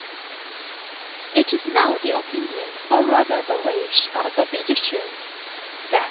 It was now the opinion, or rather the wish, of the physicians, that M.